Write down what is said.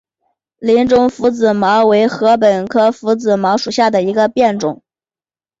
林中拂子茅为禾本科拂子茅属下的一个变种。